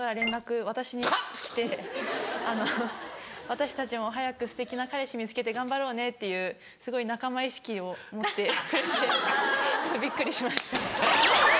「私たちも早くすてきな彼氏見つけて頑張ろうね」っていうすごい仲間意識を持ってくれてちょっとびっくりしました。